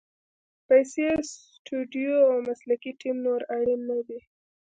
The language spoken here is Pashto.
پیسې، سټوډیو او مسلکي ټیم نور اړین نه دي.